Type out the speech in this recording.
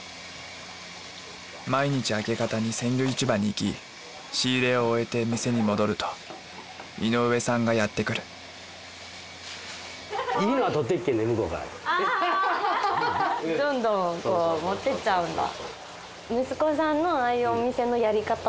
毎日明け方に鮮魚市場に行き仕入れを終えて店に戻ると井上さんがやってくるどんどん持ってっちゃうんだ。